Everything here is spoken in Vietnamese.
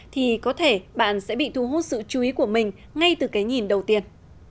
thì có thể bạn sẽ bị thu hút sự chú ý của mình ngay từ cái nhìn đầu tiên